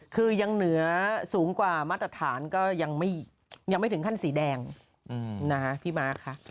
คือยังเหนือสูงกว่ามาตรฐานก็ยังไม่ถึงขั้นสีแดงนะคะพี่ม้าค่ะ